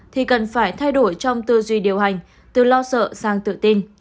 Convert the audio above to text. thì cần phải thay đổi trong tư duy điều hành từ lo sợ sang tự tin